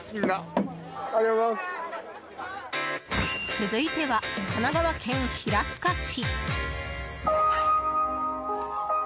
続いては神奈川県平塚市。